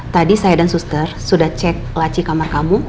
tadi saya dan suster sudah cek laci kamar kamu